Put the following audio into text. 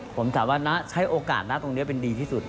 ผมถามว่าใช้โอกาสนะตรงนี้เป็นดีที่สุด